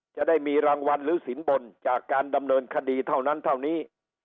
จะได้มีรางวัลหรือสินบนจากการดำเนินคดีเท่านั้นเท่านี้